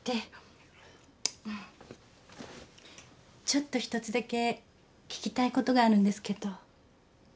ちょっと一つだけ聞きたいことがあるんですけど。